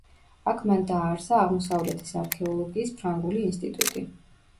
აქ მან დააარსა აღმოსავლეთის არქეოლოგიის ფრანგული ინსტიტუტი.